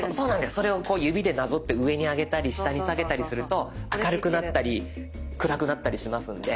それを指でなぞって上に上げたり下に下げたりすると明るくなったり暗くなったりしますので。